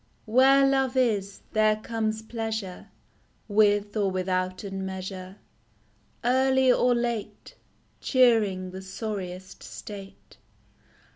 Where love is, there comes pleasure, With or withouten measure Early or late Cheering the sorriest state.